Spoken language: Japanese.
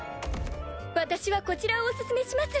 私はこちらをお薦めします。